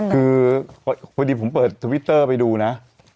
คือพอดีผมเปิดทวิตเตอร์ไปดูนะ